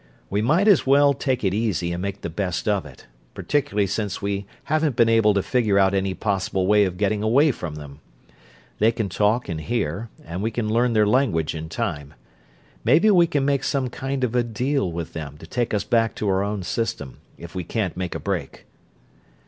"We might as well take it easy and make the best of it, particularly since we haven't been able to figure out any possible way of getting away from them. They can talk and hear, and we can learn their language in time. Maybe we can make some kind of a deal with them to take us back to our own system, if we can't make a break."